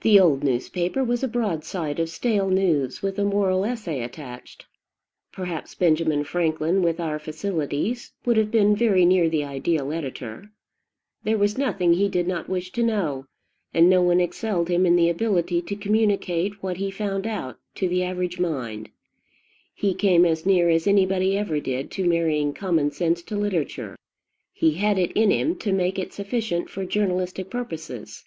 The old newspaper was a broadside of stale news, with a moral essay attached. Perhaps Benjamin Franklin, with our facilities, would have been very near the ideal editor. There was nothing he did not wish to know; and no one excelled him in the ability to communicate what he found out to the average mind. He came as near as anybody ever did to marrying common sense to literature: he had it in him to make it sufficient for journalistic purposes.